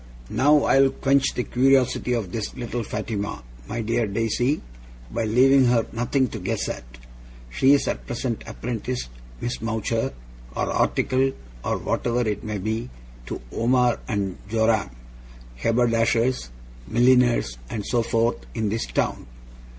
Now I'll quench the curiosity of this little Fatima, my dear Daisy, by leaving her nothing to guess at. She is at present apprenticed, Miss Mowcher, or articled, or whatever it may be, to Omer and Joram, Haberdashers, Milliners, and so forth, in this town.